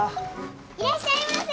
いらっしゃいませ！